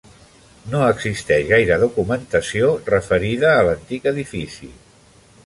No existeix gaire documentació referida a l'antic edifici.